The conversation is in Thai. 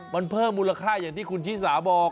มันเพิ่มมูลค่าอย่างที่คุณชิสาบอก